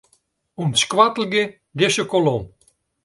Untskoattelje dizze kolom.